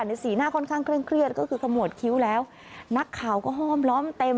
สีหน้าค่อนข้างเคร่งเครียดก็คือขมวดคิ้วแล้วนักข่าวก็ห้อมล้อมเต็ม